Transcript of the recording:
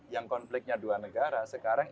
yang konfliknya dua negara sekarang